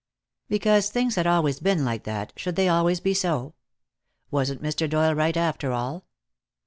Because things had always been like that, should they always be so? Wasn't Mr. Doyle right, after all?